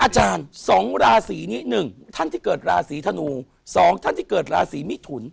อาจารย์๒ราศีนี้๑ท่านที่เกิดราศีธนู๒ท่านที่เกิดราศีมิถุน